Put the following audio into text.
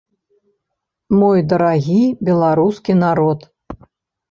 Мой дарагі беларускі народ!